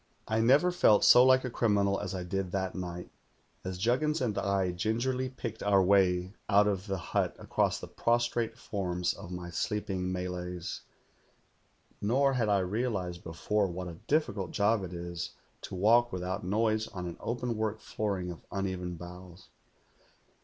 "I never felt so like a criminal as I did that night, as Juggins and I gingerly picked our way out of the hut across the prostrate forms of my sleeping Malays; nor had I realized before what a difficult job it is to walk without noise on an openwork flooring of un even boughs.